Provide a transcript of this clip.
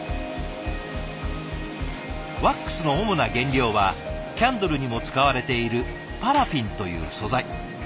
ワックスの主な原料はキャンドルにも使われているパラフィンという素材。